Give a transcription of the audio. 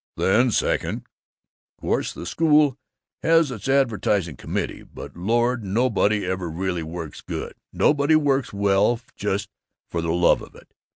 "Then, second: Course the school has its advertising committee, but, Lord, nobody ever really works good nobody works well just for the love of it.